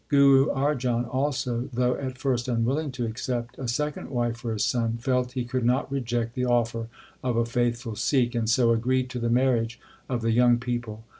Guru Arjan, also, though at first unwilling to accept a second wife for his son, felt he could not reject the offer of a faithful Sikh, and so agreed to the marriage of the young people.